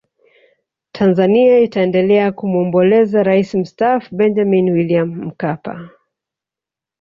tanzania itaendelea kumwombolezea rais mstaafu benjamin william mkapa